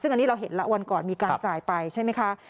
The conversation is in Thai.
ซึ่งอันนี้เราเห็นแล้ววันก่อนมีการจ่ายไปใช่ไหมคะ